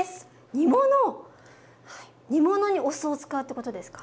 煮物⁉煮物にお酢を使うってことですか？